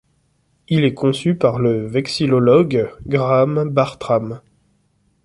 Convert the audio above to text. Il est conçu par le vexillologue Graham Bartram.